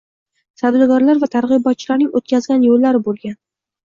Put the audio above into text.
Savdogarlar va targʻibotchilarning oʻtkazgan yoʻllari bo'lgan.